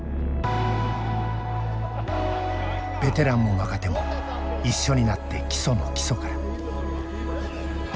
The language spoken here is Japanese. ベテランも若手も一緒になって基礎の基礎から。